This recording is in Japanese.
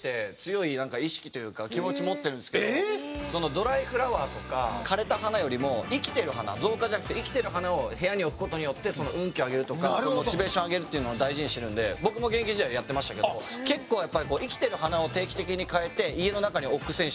ドライフラワーとか枯れた花よりも生きてる花造花じゃなくて生きてる花を部屋に置く事によって運気を上げるとかモチベーション上げるっていうのを大事にしてるんで僕も現役時代はやってましたけど結構やっぱりあっそうなんですね。